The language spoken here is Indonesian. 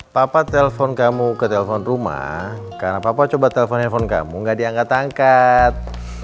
papa telpon kamu ke telepon rumah karena papa coba telepon telepon kamu gak diangkat angkat